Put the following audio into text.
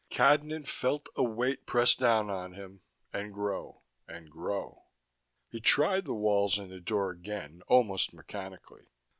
Cadnan felt a weight press down on him, and grow, and grow. He tried the walls and the door again, almost mechanically.